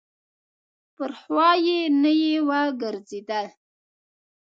پر خوا یې نه یې ورګرځېدل.